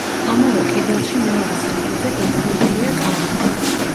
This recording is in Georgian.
ამავე კედელში მეორე სართულზე დატანებულია კარი.